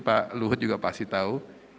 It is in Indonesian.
pak luhut juga pasti tahu